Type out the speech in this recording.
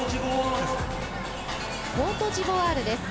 コートジボワールです。